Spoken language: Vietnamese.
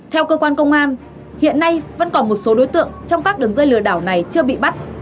theo cơ quan công an hiện nay vẫn còn một số đối tượng trong các đường dây lừa đảo này chưa bị bắt